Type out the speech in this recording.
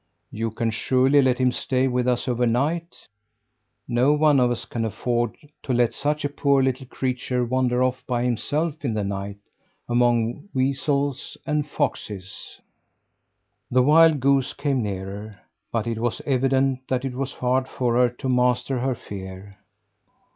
You can surely let him stay with us overnight. None of us can afford to let such a poor little creature wander off by himself in the night among weasels and foxes!" The wild goose came nearer. But it was evident that it was hard for her to master her fear.